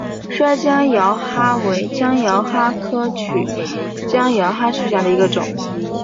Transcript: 蓑江珧蛤为江珧蛤科曲江珧蛤属下的一个种。